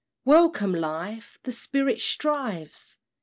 Welcome, Life! the Spirit strives!